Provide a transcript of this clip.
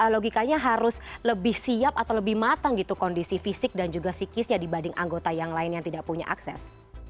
logikanya harus lebih siap atau lebih matang gitu kondisi fisik dan juga psikisnya dibanding anggota yang lain yang tidak punya akses